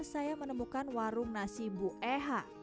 saya menemukan warung nasi bueha